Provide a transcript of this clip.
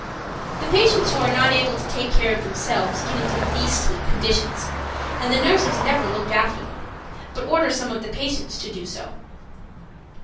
The patients who are not able to take care of themselves get into beastly conditions, and the nurses never look after them, but order some of the patients to do so.